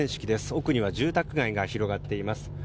奥には住宅街が広がっています。